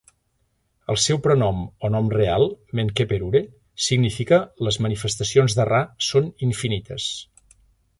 El seu prenom o nom real, Menkheperure, significa "les manifestacions de Ra són infinites".